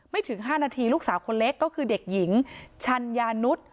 ถึง๕นาทีลูกสาวคนเล็กก็คือเด็กหญิงชัญญานุษย์